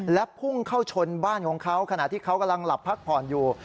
และพุ่งเข้าชนบ้านของเขาขณะที่เขากำลังหลับพักผ่อนอยู่